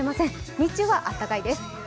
日中はあったかいです。